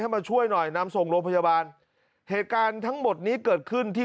มาช่วยหน่อยนำส่งโรงพยาบาลเหตุการณ์ทั้งหมดนี้เกิดขึ้นที่